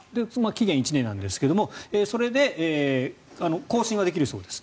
期限は１年なんですが更新はできるそうです。